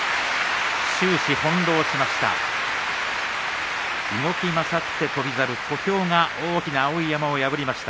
終始、翻弄しました。